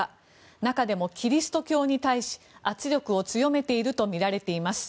中でもキリスト教に対し圧力を強めているとみられています。